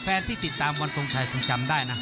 แฟนที่ติดตามวันศัลค์ไทยจำได้นะ